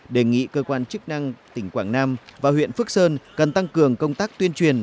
đề nghị cơ quan chức năng tỉnh quảng nam và huyện phước sơn cần tăng cường công tác tuyên truyền